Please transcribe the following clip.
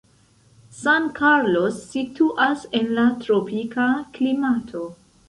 San Carlos situas en la tropika klimato.